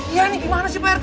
iya nih gimana sih pak rt